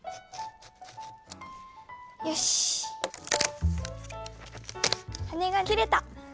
よし羽が切れた。